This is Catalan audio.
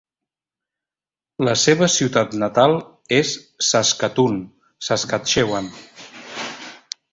La seva ciutat natal és Saskatoon, Saskatchewan.